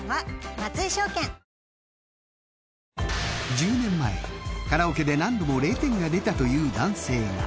１０年前カラオケで何度も０点が出たという男性が。